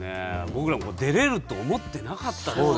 僕らも出れると思ってなかったですからね